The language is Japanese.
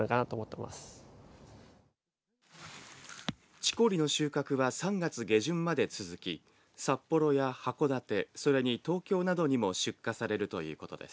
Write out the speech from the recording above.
チコリの収穫は３月下旬まで続き札幌や函館それに東京などにも出荷されるということです。